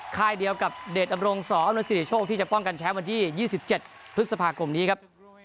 ค่ายเดียวกับเดชอำรงสออำนวยสิริโชคที่จะป้องกันแชมป์วันที่๒๗พฤษภาคมนี้ครับ